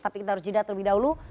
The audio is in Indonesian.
tapi kita harus jeda terlebih dahulu